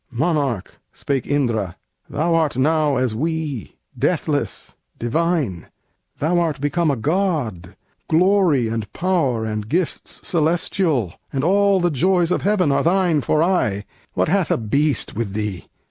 "Monarch," spake Indra, "thou art now as we, Deathless, divine; thou art become a god; Glory and power and gifts celestial, And all the joys of heaven are thine for aye; What hath a beast with these?